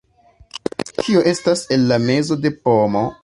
Kio estas en la mezo de pomo?